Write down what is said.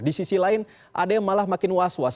di sisi lain ada yang malah makin was was